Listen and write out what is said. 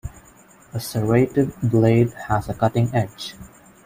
A serrated blade has a cutting edge.